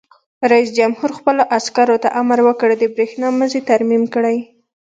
رئیس جمهور خپلو عسکرو ته امر وکړ؛ د برېښنا مزي ترمیم کړئ!